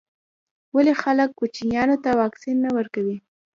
ولي خلګ کوچنیانو ته واکسین نه ورکوي.